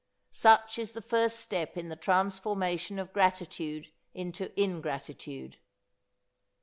Such is the first step in the transformation of gratitude into ingratitude.